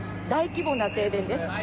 大規模な停電です。